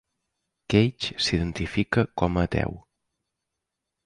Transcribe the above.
Cage s'identifica com a ateu.